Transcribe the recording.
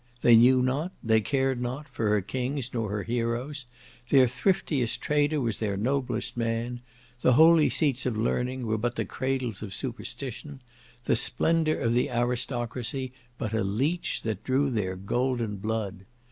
They knew not, they cared not, for her kings nor her heroes; their thriftiest trader was their noblest man; the holy seats of learning were but the cradles of superstition; the splendour of the aristocracy, but a leech that drew their "golden blood."